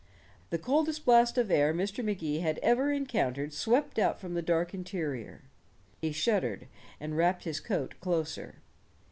The coldest blast of air Mr. Magee had even encountered swept out from the dark interior. He shuddered, and wrapped his coat closer.